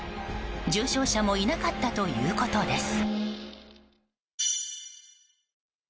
重傷者もいなかったということです。